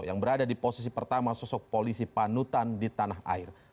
yang berada di posisi pertama sosok polisi panutan di tanah air